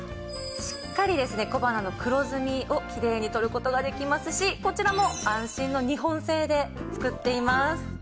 しっかりですね小鼻の黒ずみをきれいに取る事ができますしこちらも安心の日本製で作っています。